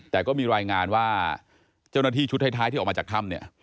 แต่ก็มีรายงานว่าเจ้าหน้าที่ชุดท้ายที่ออกมาจากถ้ำเนี่ย